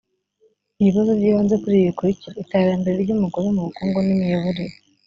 ibibazo by ibanze kuri ibi bikurikira iterambere ry umugore mu bukungu n imiyoborere